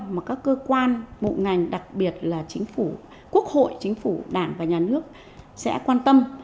mà các cơ quan bộ ngành đặc biệt là chính phủ quốc hội chính phủ đảng và nhà nước sẽ quan tâm